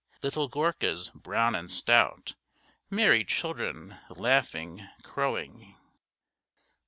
Little Goorkhas, brown and stout, Merry children, laughing, crowing.